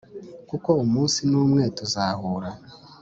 kuko umunsi n` umwe tuzahura